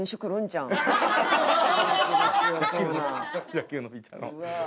野球のピッチャー。